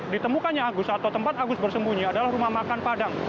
ditemukannya agus atau tempat agus bersembunyi adalah rumah makan padang